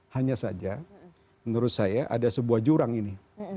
hanya saja menurut saya ada sebuah jurang ini